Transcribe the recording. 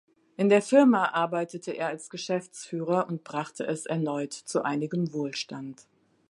In der Firma arbeitete er als Geschäftsführer und brachte es erneut zu einigem Wohlstand.